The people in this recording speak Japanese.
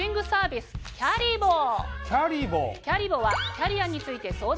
キャリボ。